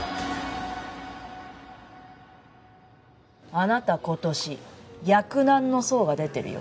あなた今年厄難の相が出てるよ。